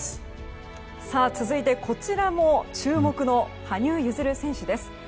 続いて、こちらも注目の羽生結弦選手です。